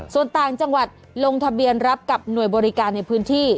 ส่วนต่างจังหวัดลงทะเบียนรับกับหน่วยบริการในพื้นที่